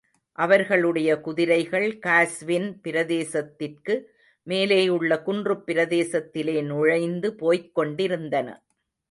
அவர்களுடைய குதிரைகள் காஸ்வின் பிரதேசத்திற்கு மேலேயுள்ள குன்றுப் பிரதேசத்திலே நுழைந்து போய்க் கொண்டிருந்தன.